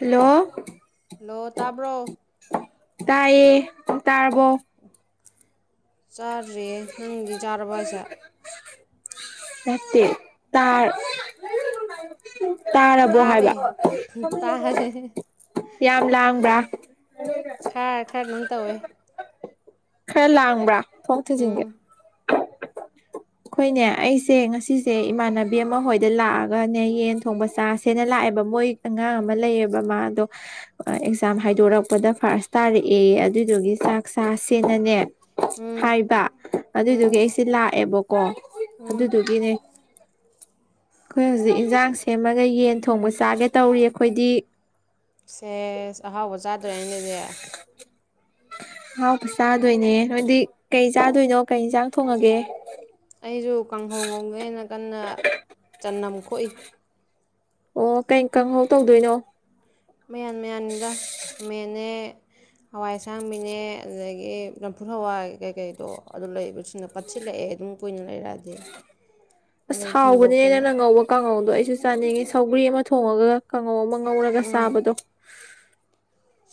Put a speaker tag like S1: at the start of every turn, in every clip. S1: Hello
S2: hello ꯇꯥꯕ꯭ꯔꯣ
S1: ꯇꯥꯏꯌꯦ ꯅꯪ ꯇꯥꯔꯕꯣ
S2: ꯆꯥꯗ꯭ꯔꯤꯌꯦ ꯅꯪꯗꯤ ꯆꯥꯔꯕꯣ ꯍꯥꯏꯁꯦ
S1: ꯅꯠꯇꯦ ꯇꯥ ꯇꯥꯔꯕꯣ ꯍꯥꯏꯕ
S2: ꯇꯥꯔꯦ ꯇꯥꯔꯦ
S1: ꯌꯥꯝ ꯂꯥꯡꯕ꯭ꯔꯥ
S2: ꯈꯔ ꯈꯔ ꯑꯗꯨꯝ ꯇꯧꯋꯦ
S1: ꯈꯔ ꯂꯥꯡꯕ꯭ꯔꯥ ꯊꯣꯡ ꯊꯤꯡꯖꯤꯟꯒꯦ
S2: ꯎꯝ
S1: ꯑꯩꯈꯣꯏꯅꯦ ꯑꯩꯁꯦ ꯉꯁꯤꯁꯦ ꯏꯃꯥꯟꯅꯕꯤ ꯑꯃ ꯍꯣꯏꯗ ꯂꯥꯛꯑꯒꯅꯦ ꯌꯦꯟ ꯊꯣꯡꯕ ꯆꯥꯁꯦꯅ ꯂꯥꯛꯑꯦꯕ ꯃꯣꯏ ꯑꯉꯥꯡ ꯑꯃ ꯂꯩꯌꯦꯕ ꯃꯥꯗꯣ ꯑꯦꯛꯖꯥꯝ ꯍꯥꯏꯗꯣꯔꯛꯄꯗ ꯐꯥꯔꯁ ꯇꯥꯔꯛꯑꯦ ꯑꯗꯨꯏꯗꯨꯒꯤ ꯆꯥꯛ ꯆꯥꯁꯦꯅꯅꯦ ꯍꯥꯏꯕ ꯑꯗꯨꯏꯗꯨꯒꯤ ꯑꯩꯁꯦ ꯂꯥꯛꯑꯦꯕ ꯀꯣ ꯑꯗꯨꯗꯨꯒꯤꯅꯦ ꯑꯩꯈꯣꯏ ꯍꯧꯖꯤꯛ ꯏꯟꯖꯥꯡ ꯁꯦꯝꯃꯒ ꯌꯦꯟ ꯊꯣꯡꯕ ꯆꯥꯒꯦ ꯇꯧꯔꯤ ꯑꯩꯈꯣꯏꯗꯤ
S2: ꯁꯦꯁ ꯑꯍꯥꯎꯕ ꯆꯥꯗꯣꯔꯦꯅꯦ ꯑꯗꯨꯗꯤ
S1: ꯑꯍꯥꯎꯕ ꯆꯥꯗꯣꯏꯅꯦ ꯅꯣꯏꯗꯤ ꯀꯩ ꯆꯥꯗꯣꯏꯅꯣ ꯀꯩ ꯍꯤꯟꯖꯥꯡ ꯊꯣꯡꯉꯒꯦ
S2: ꯑꯩꯁꯨ ꯀꯥꯡꯍꯧ ꯉꯧꯒꯦꯅ ꯀꯟꯅ ꯆꯅꯝ ꯈꯣ ꯇꯣꯛꯢ
S1: ꯑꯣ ꯀꯩ ꯀꯥꯡꯍꯧ ꯇꯧꯗꯣꯏꯅꯣ
S2: ꯃꯌꯥꯟ ꯃꯌꯥꯟꯅꯤꯗ ꯈꯥꯃꯦꯟꯅꯦ ꯍꯋꯥꯏ ꯑꯁꯥꯡꯕꯤꯅꯦ ꯑꯗꯨꯗꯒꯤ ꯆꯝꯐꯨꯠ ꯍꯋꯥꯏ ꯀꯩꯀꯩꯗꯣ ꯑꯗꯨ ꯂꯩꯕꯁꯤꯡꯗꯣ ꯄꯠꯁꯤꯜꯂꯛꯑꯦ ꯑꯗꯨꯝ ꯀꯨꯏꯅ ꯂꯩꯔꯛꯑꯗꯤ
S1: ꯑꯁ
S2: ꯑꯗꯩ
S1: ꯍꯥꯎꯕꯅꯦꯅ
S2: ꯊꯣꯡꯗꯣꯛꯀꯦꯅ
S1: ꯅꯪ ꯉꯧꯕ ꯀꯥꯡꯍꯧ ꯗꯣ ꯑꯩꯁꯨ ꯆꯥꯅꯤꯡꯉꯤ ꯁꯧꯒ꯭ꯔꯤ ꯑꯃ ꯊꯣꯡꯉꯒ ꯀꯥꯡꯍꯧ ꯑꯃ ꯉꯧꯔꯒ ꯉꯧꯔꯒ ꯆꯥꯕꯗꯣ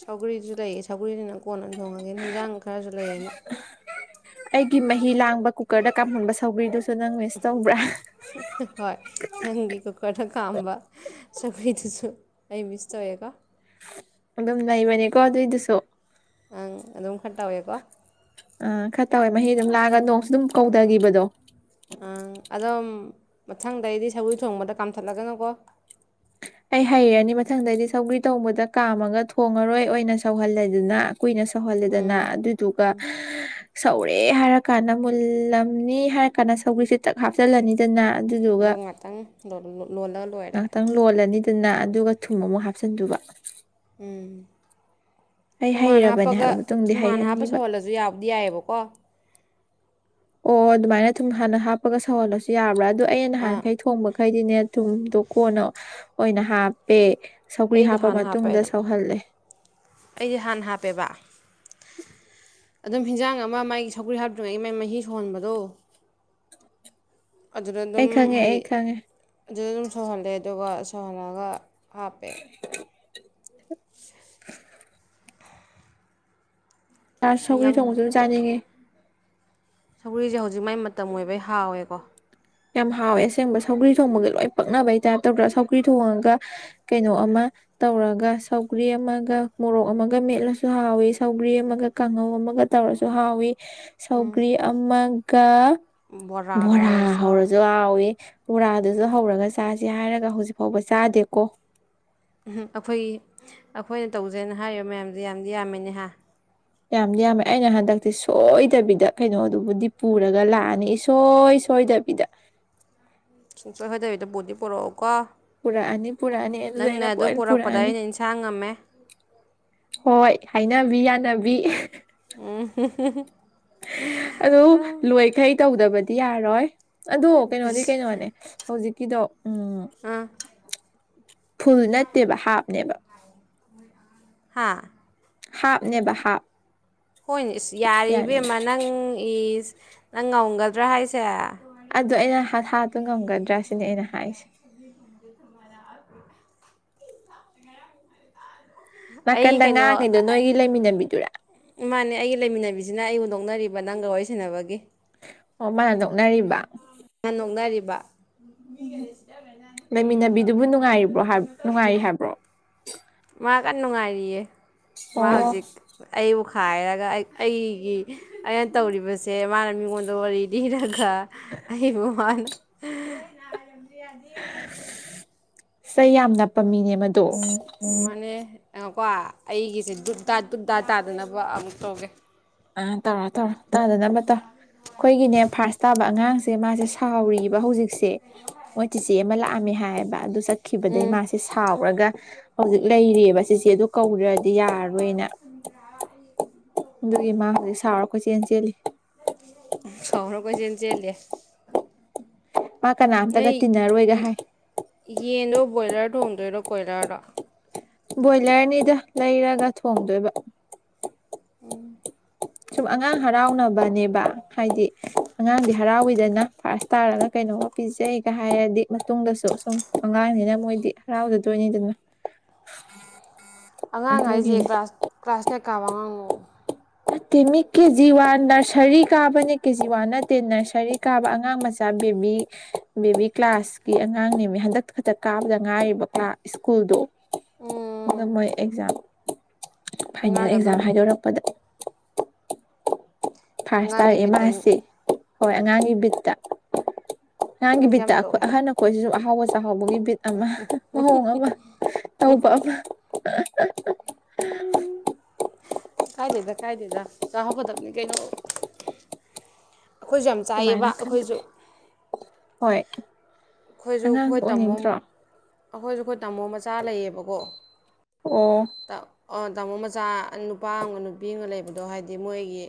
S2: ꯁꯧꯒꯔꯤꯁꯨ ꯂꯩꯌꯦ ꯁꯧꯒꯔꯤꯁꯤꯅ ꯀꯣꯟꯅ ꯊꯣꯡꯉꯒꯦ ꯍꯤꯟꯖꯥꯡ ꯈꯔꯁꯨ ꯂꯩꯌꯦꯅ
S1: ꯑꯩꯒꯤ ꯃꯍꯤ ꯂꯥꯡꯕ ꯀꯨꯀꯔꯗ ꯀꯥꯝꯍꯟꯕ ꯁꯧꯕ꯭ꯔꯤꯗꯨ
S2: ꯍꯣꯏ ꯅꯪꯒꯤ ꯀꯨꯀꯔꯗ ꯀꯥꯝꯕ ꯁꯧꯒ꯭ꯔꯤ ꯗꯨꯁꯨ ꯑꯩ ꯃꯤꯁ ꯇꯧꯋꯦꯀꯣ
S1: ꯑꯗꯨꯝ ꯅꯩꯕꯅꯦꯀꯣ ꯑꯗꯨꯏꯗꯨꯁꯨ
S2: ꯑꯪ ꯑꯗꯨꯝ ꯈꯔ ꯇꯧꯋꯦꯀꯣ
S1: ꯑꯥ ꯈꯔ ꯇꯧꯋꯦ ꯃꯍꯤ ꯑꯗꯨꯝ ꯂꯥꯛꯉꯒ ꯅꯣꯡꯁꯨ ꯑꯗꯨꯝ ꯀꯧꯗꯒꯤꯕꯗꯣ
S2: ꯑ ꯑꯗꯣꯝ ꯃꯊꯪꯗ ꯑꯩꯗꯤ ꯁꯎꯏ ꯊꯣꯡꯕꯗ ꯀꯥꯝꯊꯠꯂꯒꯅꯨꯀꯣ
S1: ꯑꯩ ꯍꯩꯔꯅꯤ ꯃꯊꯪꯗꯗꯤ ꯁꯧꯒ꯭ꯔꯤ ꯇꯣꯡꯧꯕꯗ ꯀꯥꯝꯃꯒ ꯊꯣꯡꯉꯔꯣꯏ ꯑꯣꯏꯅ ꯁꯧꯍꯜꯂꯦ ꯑꯗꯨꯅ ꯀꯨꯏꯅ ꯁꯧꯍꯜꯂꯦꯗꯅ ꯑꯗꯨꯗꯨꯒ ꯁꯧꯔꯦ ꯍꯥꯏꯔ ꯀꯥꯟꯗ ꯃꯨꯜꯂꯝꯅꯤ ꯍꯥꯏꯔ ꯀꯥꯟꯗ ꯁꯧꯒꯔꯤꯁꯦ ꯆꯛ ꯍꯥꯞꯆꯜꯂꯅꯤꯗꯅ ꯑꯗꯨꯗꯨꯒ
S2: ꯑꯗꯣ ꯉꯥꯛꯇꯪ ꯂꯣꯜꯂ ꯂꯣꯏꯔꯦ
S1: ꯑꯗꯨꯅ ꯑꯗꯨꯒ ꯊꯨꯝ ꯑꯃꯨꯛ ꯍꯥꯞꯆꯤꯟꯗꯕ
S2: ꯎꯝ ꯊꯨꯝꯃꯥꯟ
S1: ꯍꯩꯔꯕꯅꯦ
S2: ꯍꯥꯞꯄꯒ
S1: ꯍꯥꯏꯕ ꯃꯇꯨꯡꯗꯤ
S2: ꯊꯨꯝꯃꯥꯟ ꯍꯥꯞꯄ
S1: ꯍꯩꯔꯅꯤꯕ
S2: ꯁꯧꯍꯜꯂꯁꯨ ꯌꯥꯎꯗꯤ ꯌꯥꯏꯑꯕꯀꯣ
S1: ꯑꯣ ꯑꯗꯨꯃꯥꯏꯅ ꯁꯨꯝ ꯍꯥꯟꯅ ꯍꯥꯞꯄꯒ ꯁꯧꯍꯜꯂꯁꯨ ꯌꯥꯕ꯭ꯔꯥ ꯑꯗꯣ ꯑꯩꯅ
S2: ꯑꯥ
S1: ꯅꯍꯥꯟꯈꯩ ꯊꯣꯡꯕ ꯍꯥꯏꯩꯗꯤꯅꯦ ꯊꯨꯝꯗꯣ ꯀꯣꯟꯅ ꯑꯣꯏꯅ ꯍꯥꯞꯄꯦ ꯁꯧꯒ꯭ꯔꯤ
S2: ꯑꯩꯖ
S1: ꯍꯥꯞꯄ
S2: ꯍꯥꯟ ꯍꯥꯞꯄꯦ
S1: ꯃꯇꯨꯡꯗ
S2: ꯑꯗꯨꯝ
S1: ꯁꯧꯍꯜꯂꯦ
S2: ꯑꯩꯖ ꯍꯥꯟ ꯍꯥꯞꯄꯦꯕ ꯑꯗꯨꯝ ꯍꯤꯟꯖꯥꯡ ꯑꯃ ꯃꯥꯒꯤ ꯁꯒ꯭ꯔꯤ ꯍꯥꯞꯇ꯭ꯔꯤꯉꯩꯒꯤ ꯃꯒꯤ ꯃꯍꯤ ꯁꯨꯍꯣꯟꯕꯗꯣ ꯑꯗꯨꯗ
S1: ꯑꯩ
S2: ꯑꯗꯨꯝ
S1: ꯈꯪꯉꯦ
S2: ꯍꯥꯏꯗꯤ
S1: ꯑꯩ ꯈꯪꯉꯦ
S2: ꯑꯗꯨꯗ ꯑꯗꯨꯝ ꯁꯧꯍꯜꯂꯦ ꯑꯗꯨꯒ ꯁꯧꯍꯜꯂꯒ ꯍꯥꯞꯄꯦ
S1: [unintelligible] ꯔꯥꯁ
S2: ꯑꯁ
S1: ꯁꯧꯒ꯭ꯔꯤ
S2: ꯌꯥꯝ
S1: ꯊꯣꯡꯕꯁꯨ ꯑꯗꯨꯝ ꯆꯥꯅꯤꯡꯉꯤ
S2: ꯁꯒ꯭ꯔꯤꯁꯦ ꯍꯧꯖꯤꯛ ꯃꯥꯏ ꯃꯇꯝ ꯑꯣꯏꯕꯩ ꯍꯥꯎꯋꯦꯀꯣ
S1: ꯌꯥꯝ ꯍꯥꯎꯋꯦ ꯑꯁꯦꯡꯕ ꯁꯧꯒ꯭ꯔꯤ ꯊꯣꯡꯕꯒ ꯂꯣꯏ ꯄꯛꯅꯕꯩ ꯇꯥꯏꯞ ꯇꯧꯗ꯭ꯔꯥ ꯁꯧꯒ꯭ꯔꯤ ꯊꯣꯡꯉꯒ ꯀꯩꯅꯣ ꯑꯃ ꯇꯧꯔꯒ ꯁꯧꯒ꯭ꯔꯤ ꯑꯃꯒ ꯃꯣꯔꯣꯛ ꯑꯃꯒ ꯃꯦꯠꯂꯁꯨ ꯍꯥꯎꯏꯤ ꯁꯧꯒ꯭ꯔꯤ ꯑꯃꯒ ꯀꯥꯡꯍꯧ ꯑꯃꯒ ꯇꯧꯔꯁꯨ ꯍꯥꯎꯏꯤ ꯁꯧꯒ꯭ꯔꯤ ꯑꯃꯥꯡ ꯀꯥ
S2: ꯕꯣꯔꯥꯒꯒꯥ ꯍꯧꯔꯥ ꯆꯥꯏ.
S1: ꯍꯥꯑꯣꯏ ꯕꯣꯔꯥꯗꯨꯁꯨ ꯍꯧꯔꯒ ꯆꯥꯁ ꯍꯥꯏꯔꯒ ꯍꯧꯖꯤꯛ ꯐꯥꯎꯕ ꯆꯥꯗꯦꯀꯣ
S2: ꯎꯝ ꯑꯩꯈꯣꯏꯒꯤ ꯑꯩꯈꯣꯏꯅ ꯇꯧꯁꯦꯅ ꯍꯥꯏꯔꯤꯕ ꯃꯌꯥꯝꯁꯦ ꯌꯥꯝꯗꯤ ꯌꯥꯝꯃꯤꯅꯦꯍ
S1: ꯌꯥꯝꯗꯤ ꯌꯥꯝꯃꯦ ꯑꯩꯅ ꯍꯟꯗꯛꯇꯤ ꯁꯣꯏꯗꯕꯤꯗ ꯀꯩꯅꯣꯗꯨꯕꯨꯗꯤ ꯄꯨꯔꯒ ꯂꯥꯛꯑꯅꯤ ꯏꯁꯣꯏ ꯁꯣꯏꯗꯕꯤꯗ
S2: ꯑꯍꯣꯏ ꯍꯣꯏꯗꯕꯤꯗ ꯕꯨꯗꯤꯤ ꯄꯨꯔꯛꯎ
S1: ꯄꯨꯔꯛꯑꯅꯤ ꯄꯨꯔꯛꯑꯅꯤ ꯑꯗꯨꯗ ꯑꯩꯅ
S2: ꯑꯗꯨ ꯄꯨꯔꯛꯄꯗ
S1: ꯄꯨꯔꯛꯑꯅꯤ
S2: ꯑꯩꯅ ꯏꯟꯁꯥꯡ ꯉꯝꯃꯦ
S1: ꯍꯣꯏ ꯍꯥꯏ ꯅꯕꯤ ꯌꯥꯅꯕꯤ
S2: ꯎꯝ
S1: ꯑꯗꯣ ꯂꯣꯏꯈꯥꯏ ꯇꯧꯗꯕꯗꯤ ꯌꯥꯔꯣꯏ ꯑꯗꯣ ꯀꯩꯅꯣꯗꯤ
S2: ꯏꯁ
S1: ꯀꯩꯅꯣꯅꯦ ꯍꯧꯖꯤꯛ ꯀꯗꯣ ꯎꯝ
S2: ꯑꯥ
S1: [unintelligible] ꯐꯨꯜ ꯅꯠꯇꯦꯕ ꯍꯥꯞꯅꯦꯕ
S2: ꯍꯥꯥ
S1: ꯍꯥꯞꯅꯦꯕ ꯍꯥꯞ
S2: ꯍꯣꯏꯅꯦ ꯏꯁ
S1: ꯌꯥꯅꯤ
S2: ꯌꯥꯔꯤꯕꯦꯝꯃ ꯅꯪ ꯏꯁ ꯅꯪ ꯉꯝꯒꯗ꯭ꯔꯥ ꯍꯥꯏꯁꯦ
S1: ꯑꯗꯨ ꯑꯩꯅ ꯍꯥꯠꯇꯣ ꯉꯝꯒꯗ꯭ꯔꯥ ꯁꯤꯅꯤ ꯑꯩꯅ ꯍꯥꯏꯁꯦ
S2: ꯑꯩꯒꯤ
S1: ꯅꯥꯀꯟꯗ ꯉꯥꯡꯉꯤꯗꯣ ꯅꯣꯏꯒꯤ ꯂꯩꯃꯤꯟꯅꯕꯤꯗꯨꯔꯥ
S2: ꯀꯩꯅꯣꯃꯅꯦ ꯑꯩꯒꯤ ꯂꯩꯃꯤꯟꯅꯕꯤꯁꯤꯅ ꯑꯩ ꯍꯨꯟꯗꯣꯛꯅꯔꯤꯕ ꯃꯅꯥꯪꯒ ꯋꯥꯔꯤꯁꯤꯟꯅꯕꯒꯤ
S1: ꯑꯣ ꯃꯥꯅ ꯅꯣꯛꯅꯔꯤꯕ
S2: ꯅꯍꯥꯟ ꯅꯣꯡꯅꯔꯤꯕ [inaudible]
S1: ꯎ ꯂꯩꯃꯤꯟꯅꯕꯤꯗꯨꯕꯨ ꯅꯨꯡꯉꯥꯏꯔꯤꯕ꯭ꯔꯣ ꯅꯨꯡꯉꯥꯏꯔꯤ ꯍꯥꯏꯕ꯭ꯔꯣ
S2: ꯃꯥ ꯀꯟꯅ ꯅꯨꯡꯉꯥꯏꯔꯤꯌꯦ ꯃꯥ
S1: ꯑꯣ
S2: ꯍꯧꯖꯤꯛ ꯑꯩ ꯋꯥ ꯈꯥꯏꯔꯒ ꯑꯩꯒꯤ ꯑꯩꯅ ꯇꯧꯔꯤꯕꯁꯦ ꯃꯥꯅ ꯃꯤꯉꯣꯟꯗ ꯋꯥꯔꯤ ꯂꯤꯔꯒ ꯈ ꯑꯩꯕꯨꯃꯟ [inaudible]
S1: ꯁꯦ ꯌꯥꯝꯅ
S2: ꯎꯝ ꯃꯅꯦ ꯑꯉ ꯀꯣ ꯑꯩꯒꯤꯁꯦ ꯗꯨꯛꯗꯥ ꯗꯨꯛꯗꯥ ꯇꯥꯗꯅꯕ ꯑꯃꯨꯛ ꯂꯧꯧꯒꯦ
S1: ꯑꯥ ꯇꯧꯔꯣ ꯇꯧꯔꯣ ꯇꯥꯗꯅꯕ ꯇꯧ ꯑꯩꯈꯣꯏꯒꯤꯅꯦ ꯐꯥꯔꯁ ꯇꯥꯕ ꯑꯉꯥꯡꯁꯦ ꯃꯥꯁꯦ ꯁꯥꯎꯔꯤꯕ ꯍꯧꯖꯤꯛ ꯁꯦ ꯃꯣꯏ ꯆꯤꯆꯦ ꯑꯃ ꯂ ꯍꯥꯏ ꯆꯠꯈꯤꯕꯗꯒꯤꯩ
S2: ꯎꯝ
S1: ꯃꯥꯁꯤꯦ ꯁꯥꯎꯔꯒ ꯍꯧꯖꯤꯛ ꯂꯩꯔꯤꯑꯕ ꯁꯤꯁꯦ ꯑꯗꯨ ꯀꯧꯗ꯭ꯔꯗꯤ ꯌꯥꯔꯔꯣꯏꯅ ꯑꯗꯨꯒꯤ
S2: ꯑꯟ
S1: ꯃꯥ ꯍꯧꯖꯤꯛ ꯁꯥꯎꯔꯈꯣꯏ ꯆꯦꯟ ꯆꯦꯜꯂꯤ
S2: ꯎ
S1: ꯃꯥ
S2: ꯅ
S1: ꯀꯅꯥꯝꯇꯒ ꯇꯤꯟꯅꯔꯣꯏꯒ ꯍꯥꯏ
S2: ꯌꯦꯗꯣ ꯕꯣꯣꯏꯂꯔ ꯊ ꯍꯣꯡꯗꯔ ꯀꯣꯏꯔꯔꯛ
S1: ꯕꯣꯏꯂꯔꯅꯤꯗ ꯂꯩꯔꯒ ꯊꯣꯡꯗꯣꯏꯕ
S2: ꯎꯝ
S1: ꯁꯨꯝ ꯑꯉꯥꯡ ꯍꯔꯥꯎꯅꯕꯅꯦꯕ ꯍꯥꯏꯗꯤ ꯑꯉꯥꯡꯗꯤ ꯍꯔꯥꯎꯋꯤꯗꯅ ꯐꯥꯔꯁ ꯇꯥꯔꯒ ꯀꯩꯅꯣꯒ ꯄꯤꯖꯩꯒ ꯍꯥꯏꯔꯗꯤ ꯃꯇꯨꯡꯗꯁꯨ ꯁꯨꯝ ꯑꯉꯥꯡꯅꯤꯅ ꯃꯣꯏꯗꯤ ꯍꯔꯥꯎꯖꯗꯣꯏꯅꯤꯗꯅ
S2: ꯑꯉꯥꯡ ꯍꯥꯏꯁꯦ
S1: ꯑꯗꯨꯒꯤꯅꯦ
S2: ꯀ꯭ꯂꯥꯁ ꯀ꯭ꯂꯥꯁ ꯀꯌꯥ ꯀꯥꯕ ꯑꯉꯥꯡꯅꯣ
S1: ꯅꯠꯇꯦꯃꯤ ꯀꯦꯖꯤ ꯋꯥꯟ ꯅꯔꯁꯔꯤ ꯀꯥꯕꯅꯦ ꯀꯦꯖꯤ ꯋꯥꯟ ꯅꯠꯇꯦ ꯅꯔꯁꯔꯤ ꯀꯥꯕ ꯑꯉꯥꯡ ꯃꯆꯥ ꯕꯦꯕꯤ ꯕꯦꯕꯤ ꯀ꯭ꯂꯥꯁꯀꯤ ꯑꯉꯥꯡꯅꯦꯃꯤ ꯍꯟꯗꯛ ꯈꯛꯇ ꯀꯥꯕꯗ ꯉꯥꯏꯔꯤꯕ ꯁ꯭ꯀꯨꯜꯗꯣ
S2: ꯎꯝ
S1: ꯃꯣꯏ ꯑꯦꯛꯖꯥꯝ ꯐꯥꯏꯅꯦꯜ
S2: ꯑꯉꯥꯡ ꯑꯗꯨꯝ
S1: ꯑꯦꯛꯖꯥꯝ ꯍꯥꯏꯗꯣꯔꯛꯄꯗ ꯐꯥꯔ ꯏꯁꯇꯥꯔ
S2: ꯑꯉꯥꯡꯒꯤ ꯕꯤꯠꯇꯅꯤ
S1: ꯑꯦꯃꯁꯤ ꯍꯣꯏ ꯑꯉꯥꯡꯒꯤ ꯕꯤꯠꯇ ꯅꯍꯥꯟꯒꯤ
S2: ꯑꯩꯈꯣꯏꯁꯨ ꯌꯥꯝ
S1: ꯕꯤꯠꯇ ꯑꯩꯈꯣꯏ
S2: ꯇꯧꯋꯦ
S1: ꯑꯍꯟ ꯑꯩꯈꯣꯏꯁꯤꯁꯨ ꯆꯥ ꯍꯕꯒ ꯅꯨꯕꯤꯠ ꯑꯃ ꯃꯑꯣꯡ ꯑꯃ ꯇꯧꯕ ꯑꯃ [inaudible]
S2: ꯎꯝ ꯀꯥꯏ ꯂꯩꯗ ꯀꯥꯏꯗꯦꯗ ꯇꯥꯍꯧꯒꯗꯕꯅꯤ ꯀꯩꯅꯣ ꯑꯩꯈꯣꯏꯁꯨ ꯌꯥꯝ ꯆꯥꯏꯌꯦꯕ
S1: ꯑꯗꯨꯃꯥꯏꯅ
S2: ꯑꯩꯈꯣꯏꯁꯨ
S1: ꯈꯟꯗꯣꯛꯑꯦ
S2: ꯑꯩꯈꯣꯏꯁꯨ
S1: ꯑꯉꯥꯡ
S2: ꯑꯩꯈꯣꯏ ꯇꯥꯃꯣ
S1: ꯑꯣꯏꯅꯤꯡꯗ꯭ꯔꯣ
S2: ꯑꯩꯈꯣꯏꯁꯨ ꯑꯩꯈꯣꯏ ꯇꯥꯃꯣ ꯃꯆꯥ ꯂꯩꯌꯦꯕꯀꯣ
S1: ꯑꯣ
S2: ꯑꯣ ꯇꯥꯃꯣ ꯃꯆꯥ ꯅꯨꯄꯥ ꯑꯃꯒ ꯅꯨꯄꯤ ꯑꯃꯒ ꯂꯩꯕꯗꯣ ꯍꯥꯏꯗꯤ ꯃꯣꯏꯒꯤ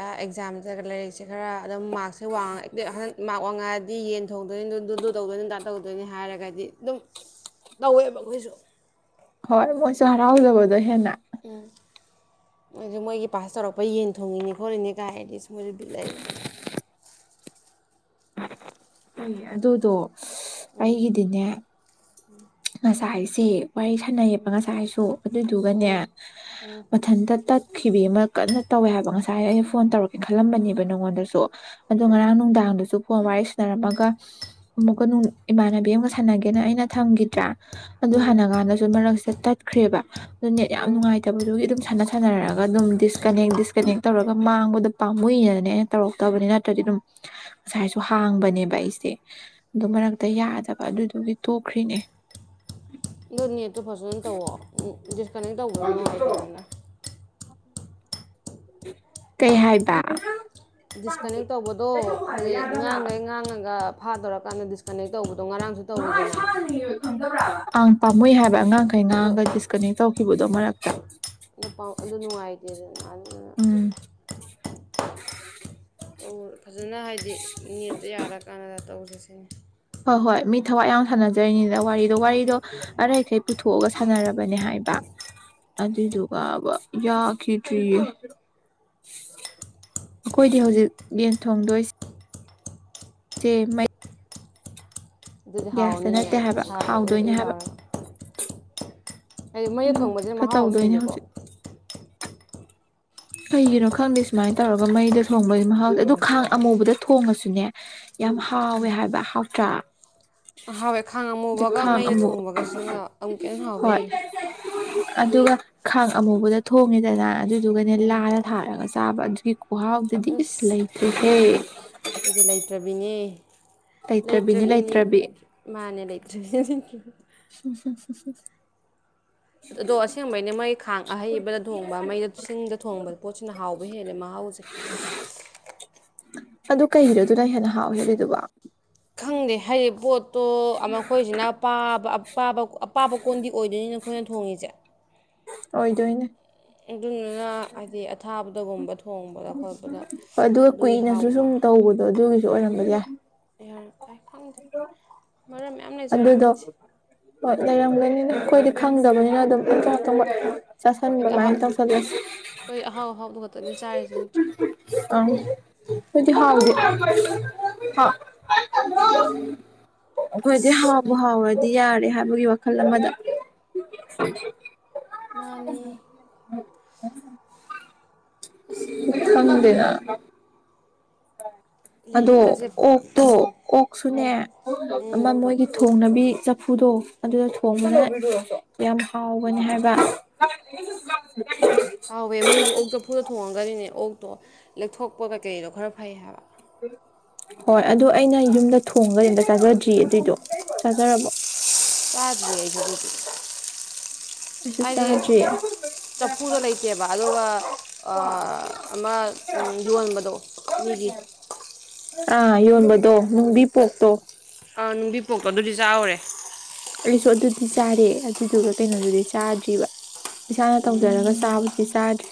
S2: ꯑꯦꯛꯖꯥꯝꯗ ꯂꯥꯏꯔꯤꯛꯁꯦ ꯈꯔ ꯑꯗꯣ ꯃꯥꯛꯛꯁꯦ ꯋꯥꯡꯉ ꯍꯟꯗꯛ ꯃꯥꯛ ꯋꯥꯡꯉꯥꯏ ꯇ ꯌꯦꯟ ꯊꯣꯡꯗꯣꯏꯅꯤ ꯗꯨꯂꯨ ꯇꯧꯗꯣꯏꯅꯤꯗꯥ ꯇꯧꯗꯣꯏꯅꯤ ꯍꯥꯏꯔꯒꯗꯤ ꯑꯗꯨꯝ ꯇꯧꯋꯦꯕ ꯑꯩꯈꯣꯏꯁꯨ
S1: ꯍꯣꯏ ꯃꯣꯏꯁꯨ ꯍꯔꯥꯎꯖꯕꯗꯣ ꯍꯦꯟꯅ
S2: ꯎꯝ ꯑꯗꯨ ꯃꯣꯏꯒꯤ ꯄꯥꯁ ꯇꯧꯔꯛꯄ ꯌꯦꯟ ꯊꯣꯡꯉꯤꯅꯤ ꯈꯣꯠꯂꯤꯅꯤ ꯀꯥꯏ ꯍꯥꯏꯗꯤ ꯁ ꯃꯣꯏꯁꯨ ꯕꯤꯂꯛꯗꯅ
S1: ꯑꯗꯨꯗꯣ ꯑꯩꯒꯤꯗꯤꯅꯦ ꯉꯁꯥ ꯍꯥꯏꯁꯤ ꯋꯥꯔꯤ ꯁꯥꯟꯅꯩꯌꯦꯕ ꯉꯁꯥꯏꯁꯨ ꯑꯗꯨꯗꯨꯒꯅꯦ ꯃꯊꯟꯇ ꯇꯠ ꯈꯤꯕꯕꯤ ꯑꯃ ꯀꯟꯅ ꯇꯧꯋꯦ ꯍꯥꯏꯕ ꯉꯁꯥꯏ ꯑꯩꯅ ꯐꯣꯟ ꯇꯧꯔꯛꯀꯦꯅ ꯈꯜꯂꯝꯕꯅꯦꯕ ꯅꯪꯉꯣꯟꯗꯁꯨ ꯑꯗꯣ ꯉꯔꯥꯡ ꯅꯨꯡꯗꯥꯡꯗꯨꯁꯨ ꯐꯣꯟ ꯋꯥꯔꯤ ꯁꯟꯅꯔꯝꯃꯒ ꯑꯃꯨꯛꯀꯅꯨꯡ ꯏꯃꯥꯟꯅꯕꯤ ꯑꯃꯒ ꯁꯥꯟꯅꯒꯦꯅ ꯑꯩꯅ ꯊꯝꯒꯤ ꯠꯇ꯭ꯔ ꯑꯗꯨ
S2: ꯎꯝ
S1: ꯍꯥꯟꯅ ꯀꯥꯟꯗꯁꯨ ꯃꯔꯛꯁꯤꯗ ꯇꯠꯈ꯭ꯔꯦꯕ ꯑꯗꯨ ꯅꯠ ꯌꯥꯝ
S2: ꯎꯝ
S1: ꯅꯨꯡꯉꯥꯏꯇꯕꯗꯨꯒꯤ ꯑꯗꯨꯝ ꯁꯥꯟꯅ ꯁꯥꯟꯅꯔꯒ ꯑꯗꯨꯝ ꯗꯤꯁꯀꯅꯦꯛ ꯗꯤꯁꯀꯅꯦꯛ ꯇꯧꯔꯒ ꯃꯥꯡꯕꯗꯣ ꯄꯥꯝꯃꯨꯏꯅꯗꯅꯦ ꯑꯩꯅ ꯇꯧꯔꯛꯇꯕꯅꯤ ꯅꯠꯇ꯭ꯔꯗꯤ ꯑꯗꯨꯝ ꯉꯁꯥꯏꯁꯨ ꯍꯥꯡꯕꯅꯦꯕ ꯑꯩꯁꯦ ꯑꯗꯨ ꯃꯔꯛꯇ ꯌꯥꯗꯕ ꯑꯗꯨꯗꯨꯒꯤ ꯇꯨꯈ꯭ꯔꯤꯅꯦ
S2: ꯏꯣ ꯅꯦꯠꯇꯣ ꯐꯁꯅ ꯇꯧꯑꯣ ꯎ ꯀꯅꯦꯛ ꯇꯧꯗꯣꯏ ꯅꯨꯡꯉꯥꯏꯗꯦꯗꯅ
S1: ꯑꯣ ꯀꯩ ꯍꯥꯏꯕ
S2: ꯗꯤꯁꯀꯅꯦꯛ ꯇꯧꯕꯗꯣ ꯍꯥꯏꯗꯤ ꯉꯥꯡꯈꯩ ꯉꯥꯡꯉꯒ ꯐꯥꯔꯞ ꯀꯥꯟꯗ ꯗꯤꯁꯀꯅꯦꯛ ꯇꯧꯕꯗꯣ ꯉꯔꯥꯡꯁꯨ ꯇꯧꯋꯤꯗꯅ
S1: ꯑ ꯄꯥꯝꯃꯣꯏ ꯍꯥꯏꯕ ꯑꯉꯥꯡꯈꯩ
S2: ꯑꯗꯣ
S1: ꯉꯥꯡꯉꯒ ꯗꯤꯁꯀꯅꯦꯛ ꯇꯧꯈꯤꯕꯗꯨ ꯑꯗꯨ ꯃꯔꯛꯇ
S2: ꯑꯗꯨ ꯅꯨꯡꯉꯥꯏꯇꯦꯗꯅ ꯑꯗꯨꯅ
S1: ꯎꯝ [unintelligible]
S2: ꯍꯣꯏ ꯐꯖꯅ ꯍꯥꯏꯗꯤ ꯅꯦꯠꯇ ꯌꯥꯔ ꯀꯥꯟꯅꯗ ꯇꯧꯁꯦ [inaudible]
S1: ꯍꯣꯏ ꯍꯣꯏ ꯃꯤ ꯊꯋꯥꯏ ꯌꯥꯝ ꯁꯥꯟꯅꯖꯔꯤꯅꯤꯗ ꯋꯥꯔꯤꯗꯣ ꯋꯥꯔꯤꯗꯣ ꯑꯔꯈꯩ ꯄꯨꯊꯣꯛꯑꯒ ꯁꯥꯟꯅꯔꯕꯅꯦ ꯍꯥꯏꯕ ꯑꯗꯨꯏꯗꯨꯒꯕ ꯌꯥꯈꯤꯗ꯭ꯔꯤꯌꯦ ꯑꯩꯈꯣꯏꯗꯤ ꯍꯧꯖꯤꯛ ꯌꯦꯟ ꯊꯣꯡꯗꯣꯏꯁꯤ ꯆꯦ ꯃꯩ
S2: ꯑꯗꯨꯗꯤ
S1: ꯒ꯭ꯌꯥꯁꯇ
S2: ꯍꯥꯎꯅꯤꯅꯦ
S1: ꯅꯠꯇꯦ ꯍꯥꯏꯕ
S2: ꯁꯥꯕ ꯎꯏ
S1: ꯍꯥꯎꯗꯣꯏꯅꯦ
S2: ꯎꯏ
S1: ꯍꯥꯏꯕ
S2: ꯂꯥꯎꯔ ꯍꯥꯏꯗꯤ ꯃꯌꯦꯛ
S1: ꯎꯝ
S2: ꯊꯪꯕꯕꯁꯤꯅ
S1: ꯈꯔ
S2: ꯃꯍꯥꯎ ꯑꯃ
S1: ꯇꯧꯗꯣꯏꯅꯦ
S2: ꯍꯦꯜꯂꯤꯀꯣ
S1: ꯍꯧꯖꯤꯛ ꯀꯩꯒꯤꯅꯣ ꯈꯪꯗꯦ ꯁꯨꯃꯥꯏꯅ ꯇꯧꯔꯒ ꯃꯩꯗ ꯊꯣꯡꯕꯒꯤ ꯃꯍꯥꯎꯁꯦ ꯑꯗꯨ ꯈꯥꯡ ꯑꯃꯨꯕꯗ ꯊꯣꯡꯉꯁꯨꯅꯦ ꯌꯥꯝ ꯍꯥꯎꯋꯦ ꯍꯥꯏꯕ ꯍꯥꯎ ꯅꯥꯠꯔꯥ
S2: ꯍꯥꯎꯋꯦ ꯈꯥꯡ ꯑꯃꯝꯨꯕꯒ ꯃꯩꯗ ꯊꯣꯡꯕꯒꯁꯤꯅ ꯑꯃꯨꯛ ꯀꯇ ꯍꯥꯎꯕ
S1: ꯍꯣꯏ
S2: ꯍꯦꯜꯂꯦ
S1: ꯑꯗꯨꯒ ꯈꯥꯡ ꯑꯃꯨꯕꯗ ꯊꯣꯡꯉꯦꯗꯅ ꯑꯗꯨꯗꯨ ꯂꯥꯗ ꯊꯥꯔꯒ ꯆꯥꯕ ꯑꯗꯨ ꯍꯤ ꯃꯥꯍꯥꯎꯗꯨꯗꯤ ꯏꯁ ꯂꯩꯇ꯭ꯦꯍꯦ [unintelligible]
S2: ꯑꯗꯨꯗꯤ ꯂꯩꯇ꯭ꯔꯕꯤꯅꯦ ꯂꯩꯇ꯭ꯔꯕꯤꯅꯤ ꯃꯥꯅꯦ ꯂꯩꯇ꯭ꯔꯕꯤꯅꯤꯌ
S1: ꯍꯝ ꯍꯝ
S2: ꯑꯗꯣ ꯑꯁꯦꯡꯕꯩꯩꯅ ꯃꯩ ꯈꯥꯡ ꯑꯍꯩꯕꯗ ꯊꯣꯡꯕ ꯃꯩꯗ ꯆꯤꯡꯗ ꯊꯣꯡꯕ ꯄꯣꯠꯁꯤꯅ ꯍꯥꯎꯕ ꯍꯦꯜꯂꯦ ꯃꯍꯥꯎꯁꯦ
S1: ꯑꯗꯨ ꯀꯩꯅꯣꯗꯨꯅ ꯍꯦꯟꯅ ꯍꯥꯎꯖꯔꯤꯗꯨꯕ
S2: ꯈꯪꯗꯦ ꯍꯥꯏꯗꯤ ꯄꯕꯣꯠ ꯇꯣ ꯃꯈꯣꯏꯁꯤꯅ ꯄꯕꯕ ꯑꯄꯥꯕ ꯀꯣꯟꯗꯤ ꯑꯣꯏꯗꯣꯏꯅꯤꯅ ꯑꯩꯈꯣꯏꯅ ꯊꯣꯡꯉꯤꯁꯦ
S1: ꯑꯣꯏꯗꯣꯏꯅꯦ
S2: ꯑꯗꯨꯗꯨꯅ ꯍꯥꯏꯗꯤ ꯑꯊꯥꯕꯗ ꯒꯨꯝꯕ
S1: ꯍꯣꯏ ꯑꯗꯨꯒ ꯀꯨꯏꯅꯁꯨ
S2: ꯍꯥꯎꯕ
S1: ꯁꯨꯝ
S2: ꯃꯥ
S1: ꯇꯧꯕꯗꯣ ꯑꯗꯨꯒꯤꯁꯨ ꯁꯤ ꯑꯣꯏꯔꯝꯕ ꯌꯥꯏ
S2: ꯌꯥ ꯪꯗꯦ ꯃꯔꯝ ꯌꯥꯝ
S1: ꯑꯗꯨꯗꯣ
S2: ꯂꯩꯖꯔꯃꯟꯁꯦ
S1: ꯍꯣꯏ ꯂꯩꯔꯝꯒꯅꯤꯅ ꯑꯩꯈꯣꯏꯗꯤ ꯈꯪꯗꯕꯅꯤꯅ ꯑꯗꯨꯝ ꯏꯇꯇ
S2: ꯑꯩꯈꯣꯏꯗꯤ ꯑꯍꯥꯎ
S1: ꯆꯥꯁꯤꯟꯕꯃꯥꯏꯅ ꯇꯧꯁꯤꯜꯂꯁꯤ
S2: ꯅꯤ ꯆꯥꯏ ꯑꯗꯨꯇ꯭ꯔ
S1: ꯑꯪ ꯑꯗꯨꯗꯤ ꯍꯥꯎꯗꯦ ꯍ ꯑꯩꯈꯣꯏꯗꯤ
S2: ꯑꯁ
S1: ꯍꯥꯎꯕ
S2: ꯃꯩ
S1: ꯍꯥꯎꯔꯗꯤ ꯌꯥꯔꯦ ꯍꯥꯏꯕꯒꯤ ꯋꯥꯈꯜ ꯈꯜꯂꯝ ꯃꯗ
S2: ꯃꯥꯅꯤ
S1: ꯎ
S2: ꯑꯁ
S1: ꯎ [inaudible] ꯑ ꯑꯗꯣ
S2: ꯂꯥꯏꯔꯤꯛꯀꯁꯦ
S1: ꯑꯣꯛꯇꯣ ꯑꯣꯛꯁꯨꯅꯦ ꯑꯃ ꯃꯣꯏꯒꯤ ꯊꯣꯡꯅꯕꯤ ꯆ ꯀꯨꯗꯣ ꯑꯗꯨꯗ ꯊꯣꯡꯕꯅ ꯌꯥꯝ ꯍꯥꯎꯕꯅꯤ ꯍꯥꯏꯕ
S2: ꯍꯥꯎꯋꯦ ꯃꯣꯏꯒꯤ ꯑꯣꯛ ꯆꯐꯨꯗ ꯊꯣꯡꯉꯒꯗꯤꯅꯦ ꯑꯣꯛ ꯇꯣ ꯂꯧꯊꯣꯛꯄ ꯀꯩꯀꯩꯗꯣ ꯈꯔ ꯐꯩ ꯍꯥꯏꯕ
S1: ꯍꯣꯏ ꯑꯗꯨ ꯑꯩꯅ ꯌꯨꯝꯗ ꯊꯣꯡꯒ ꯌꯕ ꯆꯥꯖꯗ꯭ꯔꯤ ꯑꯗꯨꯏꯗꯣ ꯆꯥꯖꯔꯕꯣ
S2: ꯇꯥꯖꯕꯤ ꯌꯥꯏꯁꯨ ꯑꯗꯨꯗꯤ
S1: ꯑꯩꯁꯨ
S2: ꯍꯥꯏꯗꯤ
S1: ꯆꯥꯗ꯭ꯔꯤ
S2: ꯆꯐꯨꯗꯣ ꯂꯩꯇꯦꯕ ꯑꯗꯨꯒ ꯑꯃ ꯌꯣꯟꯕꯗꯣ ꯃꯤꯒꯤ
S1: ꯑ ꯌꯧꯣꯟꯕꯗꯣ ꯕꯤ ꯄꯣꯛꯣꯛꯇꯣ
S2: ꯑꯥ ꯅꯨꯡꯕꯤ ꯄꯣꯛꯇꯣ ꯑꯗꯨꯗꯤ ꯆꯥꯎꯥꯎꯔꯦ
S1: ꯑꯩꯁꯨ ꯑꯗꯨꯗꯤ ꯆꯥꯔꯦ ꯑꯗꯨꯗꯨꯒ ꯀꯩꯅꯣꯗꯨꯗꯤ ꯆꯥꯗ꯭ꯔꯤꯕ ꯏꯁꯥꯅ ꯇꯧꯖꯔꯒ ꯆꯥꯕꯨꯗꯤ ꯆꯥꯗ꯭ꯔꯦ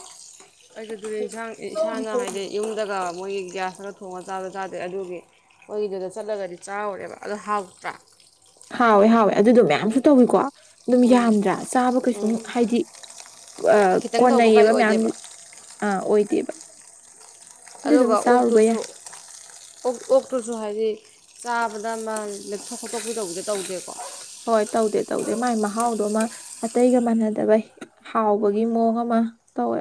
S2: ꯑꯩꯗꯤ ꯏꯟꯁꯥꯡ ꯏꯁꯥꯅ ꯍꯥꯏꯗꯤ ꯌꯨꯝꯗꯒ ꯃꯣꯏꯒꯤ ꯒ꯭ꯌꯥꯁꯇꯒ ꯊꯣꯡꯉꯒ ꯆꯥꯗ ꯆꯥꯗꯦ ꯑꯗꯨꯒꯤ ꯃꯣꯏꯒꯤꯗꯨꯗ ꯆꯠꯂꯒꯗꯤ ꯆꯥꯔꯧꯔꯦꯕ ꯑꯗꯨꯗꯣ ꯍꯥꯎꯇ꯭ꯔꯥ
S1: ꯍꯥꯎꯋꯦ ꯍꯥꯎꯋꯦ ꯑꯗꯨꯗꯣ ꯃꯌꯥꯝꯁꯨ ꯊꯣꯡꯉꯤꯀꯣ ꯑꯗꯨꯝ
S2: ꯎꯝ
S1: ꯌꯥꯝꯗ꯭ꯔꯥ ꯆꯥꯕ ꯀꯩꯁꯨꯝ
S2: ꯎꯝ
S1: ꯍꯥꯏꯗꯤ
S2: ꯈꯤꯇꯪ ꯇꯧꯕ
S1: ꯀꯣꯟꯅꯩꯌꯦꯕ
S2: ꯀꯥꯏꯗ
S1: ꯃꯌꯥꯝ
S2: ꯑꯣꯏꯗꯦꯕ
S1: ꯑꯣꯏ ꯇꯦꯕ
S2: ꯑꯗꯨꯒ ꯑꯣꯛꯇꯨꯁꯨ ꯑꯣꯛꯇꯨꯁꯨ ꯍꯥꯏꯗꯤ ꯆꯥꯕꯗꯃꯟ ꯂꯦꯛꯊꯣꯛ ꯈꯣꯠꯇꯣꯛꯄꯤꯗꯧꯕꯗꯤꯦ ꯇꯧꯗꯦꯀꯣ
S1: ꯍꯣꯏ ꯇꯧꯗꯦ ꯇꯧꯗꯦ ꯃꯥꯏ ꯃꯍꯥꯎꯗꯣꯃ ꯑꯇꯩꯒ ꯃꯥꯟꯅꯗꯕꯩ
S2: ꯎꯝ
S1: ꯍꯥꯎꯕꯒꯤ ꯃꯑꯣꯡ ꯑꯃ ꯇꯧꯋꯦ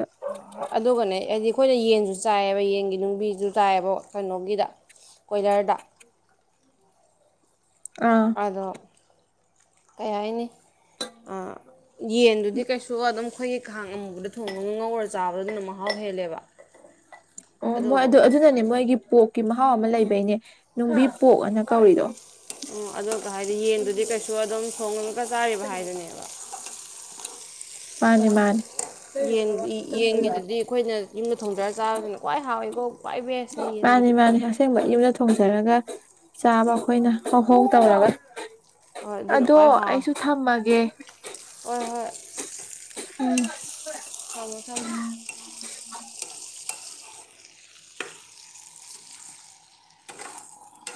S2: ꯑꯗꯨꯒꯅꯦ ꯍꯥꯏꯗꯤ ꯑꯩꯈꯣꯏꯅ ꯌꯦꯟꯁꯨ ꯆꯥꯏꯌꯦꯕ ꯌꯦꯟꯒꯤ ꯅꯨꯡꯕꯤꯁꯨ ꯆꯥꯏꯑꯕ ꯀꯩꯅꯣꯒꯤꯗ ꯀꯣꯏꯂꯔꯗ
S1: ꯑꯥ
S2: ꯑꯗꯣ ꯀꯩ ꯍꯥꯏꯅꯤ ꯌꯦꯟꯗꯨꯗꯤ ꯀꯩꯁꯨ ꯑꯗꯨꯝ ꯑꯩꯈꯣꯏꯒꯤ ꯈꯥꯡ ꯑꯃꯨꯕꯗ ꯊꯣꯡꯕꯒ ꯉꯧꯔ ꯆꯥꯕꯗ ꯑꯗꯨꯅ ꯃꯍꯥꯎ ꯍꯦꯜꯂꯦꯕ
S1: ꯑꯣ ꯃꯣꯏ
S2: ꯑꯗꯨꯒ
S1: ꯑꯗꯨ ꯑꯗꯨꯅꯅꯦ ꯃꯣꯏꯒꯤ ꯄꯣꯛꯀꯤ ꯑ ꯊꯥꯎ ꯑꯃ ꯂꯩꯕꯩꯅꯦ ꯅꯨꯡꯕꯤ ꯄꯣꯛꯑꯅ ꯀꯧꯔꯤꯗꯣ
S2: ꯎ ꯑꯗꯨꯒ ꯍꯥꯏꯗꯤ ꯌꯦꯟꯗꯨꯗꯤ ꯀꯩꯁꯨ ꯑꯗꯨꯝ ꯁꯣꯡꯉꯒ ꯆꯥꯔꯤꯕ ꯍꯥꯏꯗꯨꯅꯦꯕ
S1: ꯃꯥꯅꯦ ꯃꯥꯅꯦ
S2: ꯌꯦ ꯌꯦꯟꯒꯤꯗꯨꯗꯤ ꯑꯩꯈꯣꯏꯅ ꯌꯨꯝꯗ ꯊꯣꯡꯗꯔꯒ ꯆꯥꯕꯁꯤꯅ ꯈ꯭ꯋꯥꯏ ꯍꯥꯎꯋꯤꯀꯣ ꯈ꯭ꯏ ꯕꯦꯁꯅ
S1: ꯃꯥꯅꯦ
S2: ꯌꯦꯟꯒꯤꯗꯤ
S1: ꯃꯥꯅꯦ ꯑꯁꯦꯡꯕ ꯌꯨꯝꯗ ꯊꯣꯡꯖꯔꯒ ꯆꯥꯕ ꯑꯩꯈꯣꯏꯅ ꯍꯧꯍꯧ ꯇꯧꯔꯒ
S2: ꯍꯣꯏ ꯑꯗꯨꯅ
S1: ꯑꯗꯣ
S2: ꯈ꯭ꯋꯥꯏ ꯍꯥꯎꯋꯦ
S1: ꯑꯩꯁꯨ ꯊꯝꯃꯒꯦ
S2: ꯍꯣꯏ
S1: ꯎꯝ
S2: ꯑꯗꯨꯃ ꯈꯪ
S1: [inaudible]